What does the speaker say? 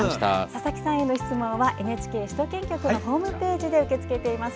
佐々木さんへの質問はＮＨＫ首都圏局のホームページで受け付けています。